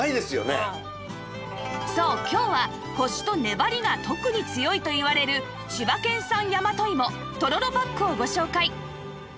そう今日はコシとねばりが特に強いといわれる千葉県産大和芋とろろパックをご紹介！